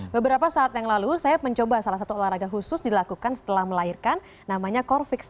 beberapa saat yang lalu saya mencoba salah satu olahraga khusus dilakukan setelah melahirkan namanya corvix